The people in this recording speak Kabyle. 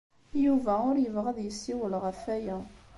Yuba ur yebɣi ad yessiwel ɣef waya.